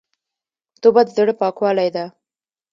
توبه د زړه پاکوالی ده.